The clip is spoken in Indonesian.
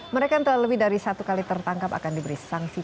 mereka yang telah lebih dari satu kali tertangkap akan diberi sanksi